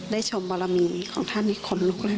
ได้ชมบารมีของท่านคนลุกเลย